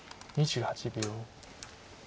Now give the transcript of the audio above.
２８秒。